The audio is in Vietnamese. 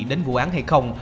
đến vụ án hay không